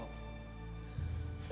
rumah anak mpok